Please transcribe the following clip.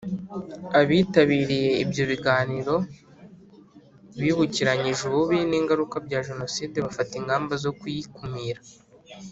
Abitabiriye ibyo biganiro bibukiranyije ububi n ingaruka bya Jenoside bafata ingamba zo kuyikumira